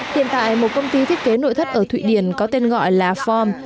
hiện tại một công ty thiết kế nội thất ở thụy điển có tên gọi là farm